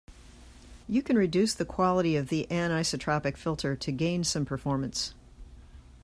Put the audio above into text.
You can reduce the quality of the anisotropic filter to gain some performance.